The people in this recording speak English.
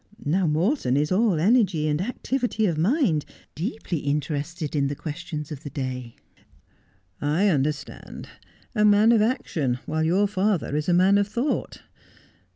Now Morton is all energy and activity of mind, deeply interested in the questions of the day.' ' I understand— a man of action, while your father is a man of thought.